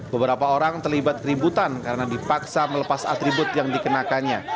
beberapa orang terlibat keributan karena dipaksa melepas atribut yang dikenakannya